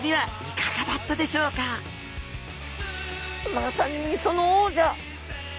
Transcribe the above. まさに磯の王者！